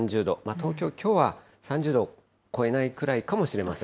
東京、きょうは３０度を超えないくらいかもしれません。